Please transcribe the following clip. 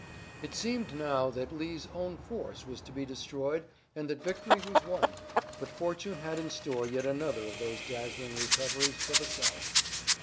It seemed now that Lee's own force was to be destroyed and that victory was won, but fortune had in store yet another of those dazzling recoveries for the South.